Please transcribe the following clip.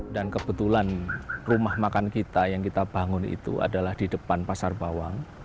kebetulan rumah makan kita yang kita bangun itu adalah di depan pasar bawang